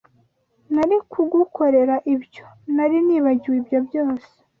Nari kugukorera ibyo. Nari nibagiwe ibyo byose.